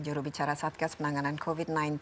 jurubicara satgas penanganan covid sembilan belas